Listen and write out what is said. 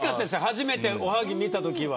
初めておはぎ見たときは。